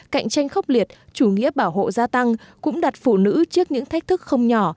cạnh tranh khốc liệt chủ nghĩa bảo hộ gia tăng cũng đặt phụ nữ trước những thách thức không nhỏ